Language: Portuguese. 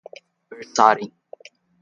versarem